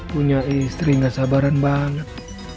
punya istri gak sabaran banget